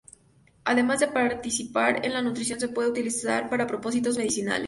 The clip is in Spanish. Además de participar en la nutrición se puede utilizar para propósitos medicinales.